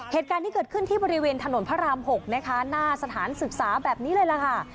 เหตุการณ์นี้เกิดขึ้นที่บริเวณถนนพระราม๖นะคะหน้าสถานศึกษาแบบนี้เลยล่ะค่ะ